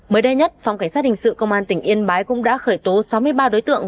mới đây nhất phòng cảnh sát hình sự công an tỉnh yên bái cũng đã khởi tố sáu mươi ba đối tượng